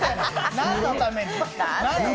何のために？